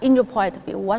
trong việc chuẩn bị công ty